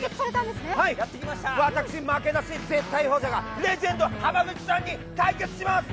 私、負けなし、絶対王者がレジェンド・濱口さんに対決します